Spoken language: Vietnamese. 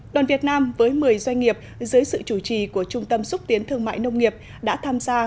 đoàn việt nam với một mươi doanh nghiệp dưới sự chủ trì của trung tâm xúc tiến thương mại nông nghiệp đã tham gia